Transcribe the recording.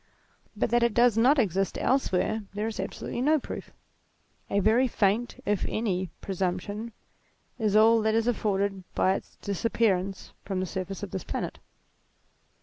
But that it does not exist else where, there is absolutely no proof. A very faint, if any, presumption, is all that is afforded by its dis appearance from the surface of this planet.